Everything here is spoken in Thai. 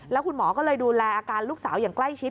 แล้วคุณหมอก็เลยดูแลอาการลูกสาวอย่างใกล้ชิด